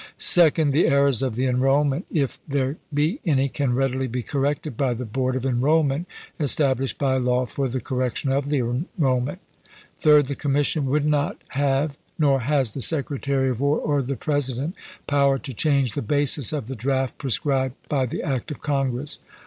Second. The errors of the enrollment, if there be any, can readily be corrected by the Board of Enrollment established by law for the correction of the enrollment. Third. The commission would not have, nor has the Secretary of War, or the President, power to change the basis of the draft prescribed by the act of Congress.